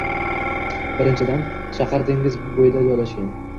Birinchidan, shahar dengiz bo‘yida joylashgan